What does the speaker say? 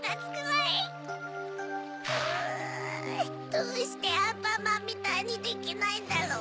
どうしてアンパンマンみたいにできないんだろう。